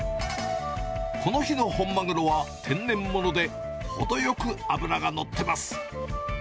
この日の本マグロは天然物で、程よく脂のってます。